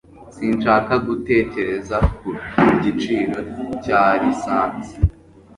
Sinshaka gutekereza ku giciro cya lisansi.